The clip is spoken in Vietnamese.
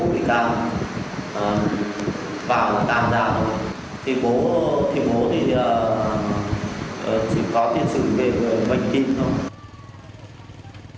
bị can vào tạm giao thì bố thì chỉ có tiến sử về bệnh kinh thôi